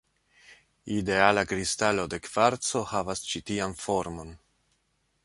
Ideala kristalo de kvarco havas ĉi tian formon.